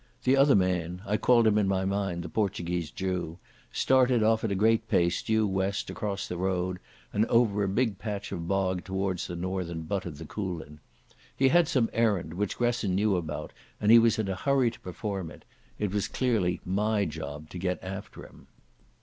The other man—I called him in my mind the Portuguese Jew—started off at a great pace due west, across the road, and over a big patch of bog towards the northern butt of the Coolin. He had some errand, which Gresson knew about, and he was in a hurry to perform it. It was clearly my job to get after him.